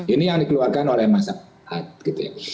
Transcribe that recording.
ini yang dikeluarkan oleh masyarakat gitu ya